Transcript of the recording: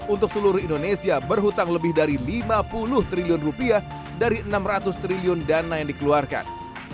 untuk seluruh indonesia berhutang lebih dari lima puluh triliun rupiah dari enam ratus triliun dana yang dikeluarkan